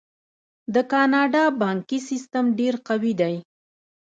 د کاناډا بانکي سیستم ډیر قوي دی.